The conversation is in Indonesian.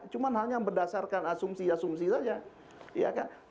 cuma hanya berdasarkan asumsi asumsi saja